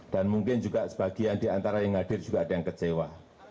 dan mungkin juga sebagian diantara yang hadir juga ada yang kecewa